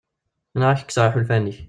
Neɣ ad ak-kkseɣ iḥulfan-ik.